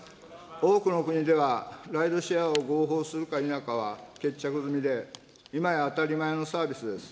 多くの国では、ライドシェアを合法するか否かは決着済みで、今や当たり前のサービスです。